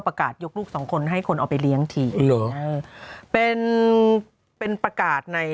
ประกาศยกลูกสองคนให้คนเอาไปเลี้ยงทีเหรอเออเป็นเป็นประกาศใน